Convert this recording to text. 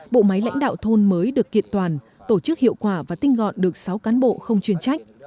bộ máy lãnh đạo thôn mới được kiện toàn tổ chức hiệu quả và tinh gọn được sáu cán bộ không chuyên trách